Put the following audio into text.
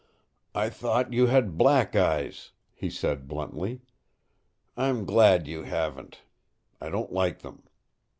"I thought you had black eyes," he said bluntly. "I'm glad you haven't. I don't like them.